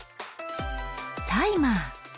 タイマー。